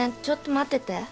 ちょっと待ってて。